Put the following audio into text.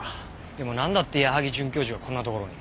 でもなんだって矢萩准教授がこんなところに？